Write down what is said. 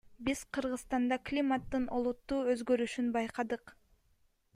Биз Кыргызстанда климаттын олуттуу өзгөрүшүн байкадык.